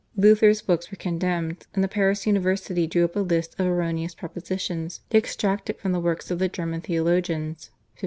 Luther's books were condemned, and the Paris University drew up a list of erroneous propositions extracted from the works of the German theologians (1523).